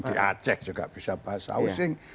di aceh juga bisa bahasa osing